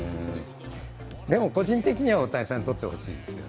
でも個人的には大谷さんに取ってほしい。